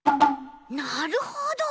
なるほど。